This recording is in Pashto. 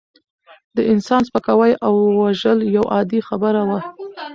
د انسان سپکاوی او وژل یوه عادي خبره وه.